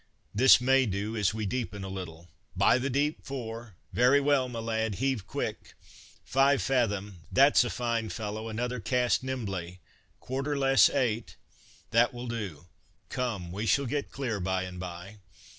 "This may do, as we deepen a little." "By the deep four." "Very well, my lad, heave quick." "Five Fathom." "That 's a fine fellow! another cast nimbly." "Quarter less eight." "That will do, come, we shall get clear by and by."